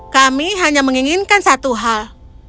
kami hanya menginginkan satu hal